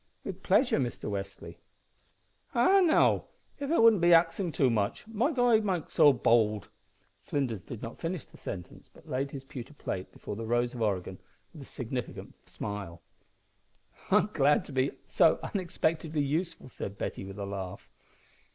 "With pleasure, Mr Westly." "Ah, now, av it wouldn't be axin' too much, might I make so bowld " Flinders did not finish the sentence, but laid his pewter plate before the Rose of Oregon with a significant smile. "I'm glad to be so unexpectedly useful," said Betty, with a laugh.